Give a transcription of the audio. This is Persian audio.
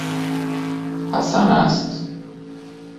حسن است؟